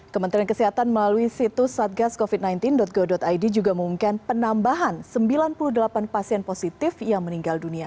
kementerian kesehatan melalui situs satgascovid sembilan belas go id juga mengumumkan penambahan sembilan puluh delapan pasien positif yang meninggal dunia